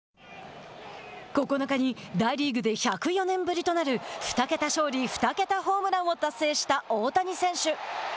９日に大リーグで１０４年ぶりとなる２桁勝利、２桁ホームランを達成した大谷選手。